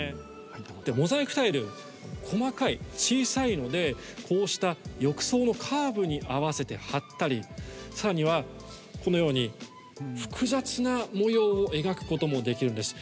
モザイクタイル細かい、小さいのでこうした浴槽のカーブに合わせて貼ったり、さらには、このように複雑な模様を描くこともできるんです。